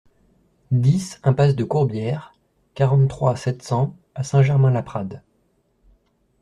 dix impasse de Courbières, quarante-trois, sept cents à Saint-Germain-Laprade